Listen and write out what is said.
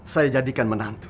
saya jadikan menantu